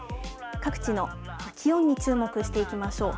各地の気温に注目していきましょう。